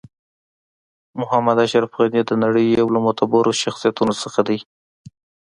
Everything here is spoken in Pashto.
محمد اشرف غنی د نړۍ یو له معتبرو شخصیتونو څخه ده .